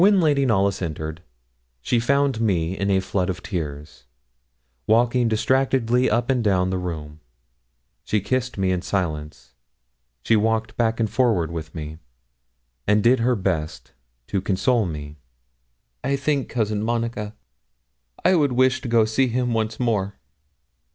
When Lady Knollys entered, she found me in floods of tears, walking distractedly up and down the room. She kissed me in silence; she walked back and forward with me, and did her best to console me. 'I think, Cousin Monica, I would wish to see him once more.